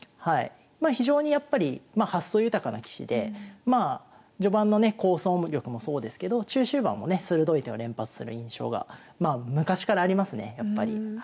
まあ非常にやっぱり発想豊かな棋士で序盤のね構想力もそうですけど中終盤もね鋭い手を連発する印象が昔からありますねやっぱり。